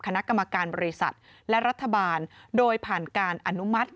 คณะกรรมการบริษัทและรัฐบาลโดยผ่านการอนุมัติ